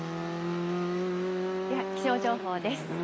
では、気象情報です。